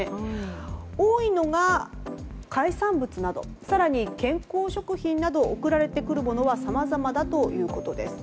多いのが、海産物や更には健康食品など送られてくるものはさまざまだということです。